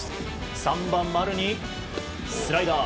３番、丸にスライダー。